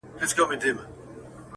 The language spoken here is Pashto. د ړندو په ښار کي وېش دی چي دا چور دی٫